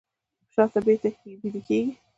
شاته بیده کیږي